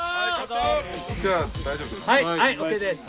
じゃあ大丈夫ですか？